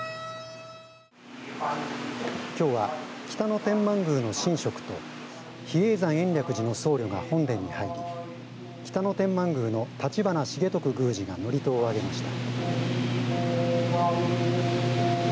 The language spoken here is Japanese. きょうは北野天満宮の神職と比叡山延暦寺の僧侶が本殿に入り北野天満宮の橘重十九宮司が祝詞をあげました。